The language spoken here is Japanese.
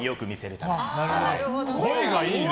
声がいいね。